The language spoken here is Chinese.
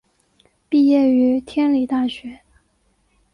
毕业于天理大学。